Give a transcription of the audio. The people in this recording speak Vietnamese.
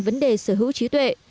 vấn đề sở hữu trí tuệ